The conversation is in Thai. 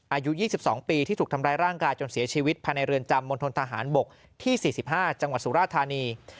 อายุ๒๒ปีที่ถูกทำร้ายร่างกายจนเสียชีวิตภายในเรือนจำมณฑนทหารบกที่๔๕จังหวัดสุราธานี